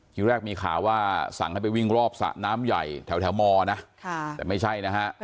ทีแรกมีข่าวว่าสั่งให้ไปวิ่งรอบสระน้ำใหญ่แถวมนะแต่ไม่ใช่นะฮะ